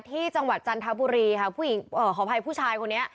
ที่จังหวัดจันทรัพบุรีผู้หญิงขออภัยผู้ชายคนนี้